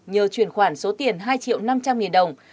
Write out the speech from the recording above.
nhờ chuyển khoản số tiền hai triệu năm trăm linh nghìn đồng